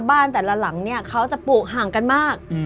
บ้านแต่ละหลังเขาจะปลูกห่างกันมาก